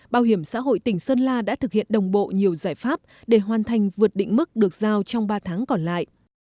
bảo hiểm xã hội tỉnh sơn la đã thực hiện đồng bộ nhiều giải pháp để hoàn thành vượt định mức được giao trong ba tháng còn lại